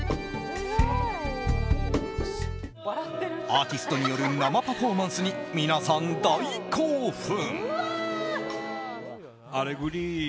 アーティストによる生パフォーマンスに皆さん、大興奮！